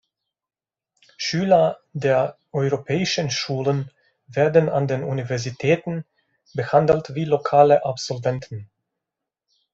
Schüler der Europäischen Schulen werden an den Universitäten behandelt wie lokale Absolventen.